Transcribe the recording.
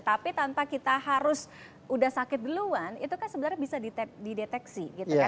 tapi tanpa kita harus udah sakit duluan itu kan sebenarnya bisa dideteksi gitu kan